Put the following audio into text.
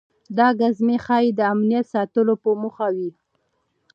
دا ګزمې ښایي د امنیت ساتلو په موخه وي.